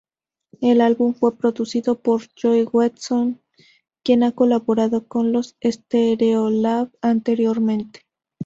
El álbum fue producido por Joe Watson, quien ha colaborado con los Stereolab anteriormente.